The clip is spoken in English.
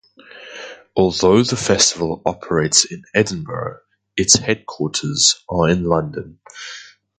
Although the festival operates in Edinburgh, its headquarters are in London.